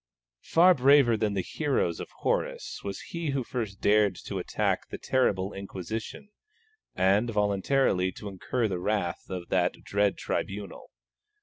Braver far than the heroes of Horace was he who first dared to attack the terrible Inquisition, and voluntarily to incur the wrath of that dread tribunal.